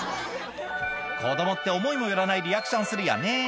子供って思いも寄らないリアクションするよね